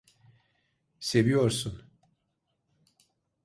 Seviyorsun!